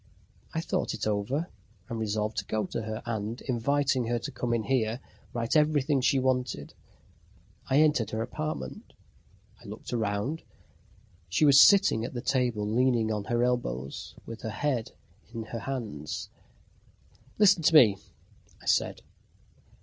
I thought it over, and resolved to go to her, and, inviting her to come in here, write everything she wanted. I entered her apartment. I looked round. She was sitting at the table, leaning on her elbows, with her head in her hands. "Listen to me," I said.